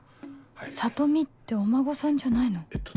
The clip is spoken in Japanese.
「里美」ってお孫さんじゃないの？